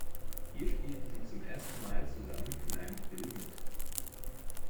Hier spielten sie zum ersten Mal zusammen in einem Film mit.